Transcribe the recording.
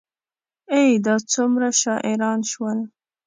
ای، دا څومره شاعران شول